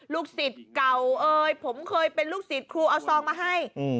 ลูกศิษย์เก่าเอ่ยผมเคยเป็นลูกศิษย์ครูเอาซองมาให้